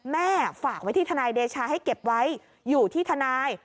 ฝากไว้ที่ทนายเดชาให้เก็บไว้อยู่ที่ทนาย